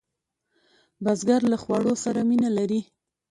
بزګر له خوړو سره مینه لري